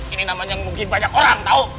ini namanya yang mungkin banyak orang tau